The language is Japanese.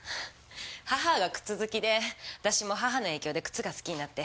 母が靴好きで私も母の影響で靴が好きになって。